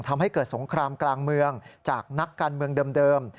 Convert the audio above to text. ทำให้เกิดสงครามกลางเมืองจากนักการเมืองเดิม